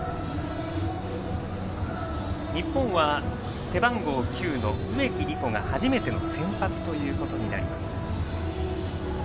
日本は背番号９の植木理子が初めての先発になります。